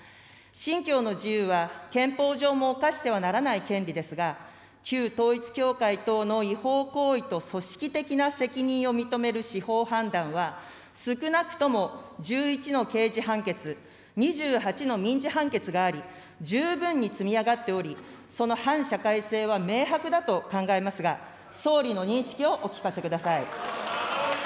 信教の自由は憲法上も侵してはならない権利ですが、旧統一教会等の違法行為と組織的な責任を認める司法判断は、少なくとも１１の刑事判決、２８の民事判決があり、十分に積み上がっており、その反社会性は明白だと考えますが、総理の認識をお聞かせください。